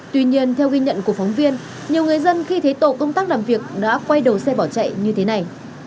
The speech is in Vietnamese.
tuy nhiên theo ghi nhận của phóng viên nhiều người dân khi thấy tổ công tác làm việc đã quay đầu xe bỏ chạy như thế này